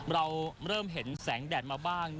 เราเริ่มเห็นแสงแดดมาบ้าง